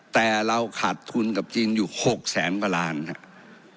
แต่เราขาดทุนกับจีนอยู่๖แสนกว่าล้านครับ